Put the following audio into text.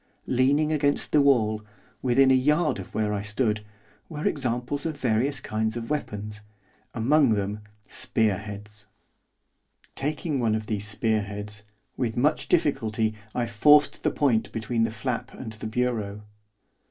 Leaning against the wall, within a yard of where I stood, were examples of various kinds of weapons, among them, spear heads. Taking one of these spear heads, with much difficulty I forced the point between the flap and the bureau.